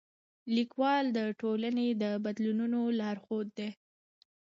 لیکوال د ټولنې د بدلونونو لارښود دی.